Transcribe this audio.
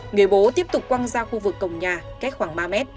người bố tiếp tục quăng ra khu vực cổng nhà cách khoảng ba mét